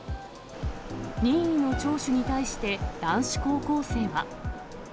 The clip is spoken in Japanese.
任意の聴取に対して、男子高校生は。